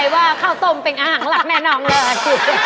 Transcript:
ว่าข้าวต้มเป็นอาหารหลักแน่นอนเลย